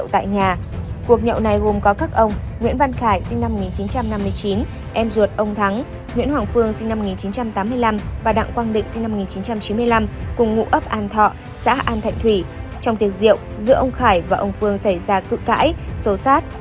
trong tiệc rượu giữa ông khải và ông phương xảy ra cự cãi sổ sát